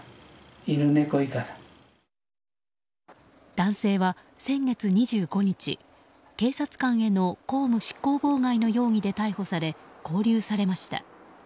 男性は先月２５日、警察官への公務執行妨害の容疑で逮捕され勾留されました。